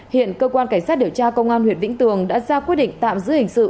hiện cơ quan cảnh sát điều tra công an huyện vĩnh tường đã ra quyết định tạm giữ hình sự